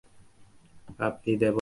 আপনি দেবতা নন।